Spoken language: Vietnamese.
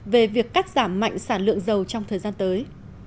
về việc cắt giảm mạnh sản lượng dầu trong thời gian tới